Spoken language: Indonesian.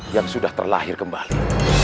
yang sudah terlahir kembali